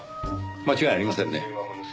間違いありませんね。